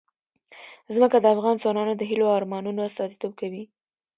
ځمکه د افغان ځوانانو د هیلو او ارمانونو استازیتوب کوي.